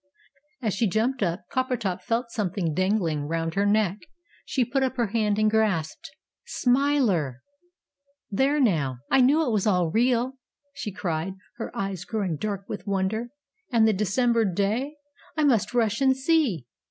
As she jumped up, Coppertop felt something dangling round her neck, she put up her hand, and grasped Smiler! "There now, I knew it was all real!" she cried, her eyes growing dark with wonder, "and the December day? I must rush and see!"